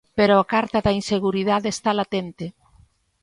Pero a carta da inseguridade está latente.